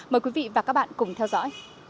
mời quý vị và các bạn cùng theo dõi